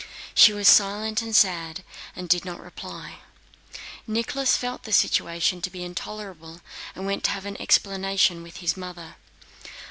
She was silent and sad and did not reply. Nicholas felt the situation to be intolerable and went to have an explanation with his mother.